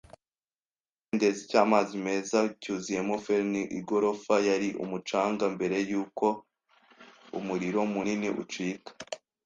ikidendezi cyamazi meza, cyuzuyemo fern. Igorofa yari umucanga. Mbere yuko umuriro munini ucika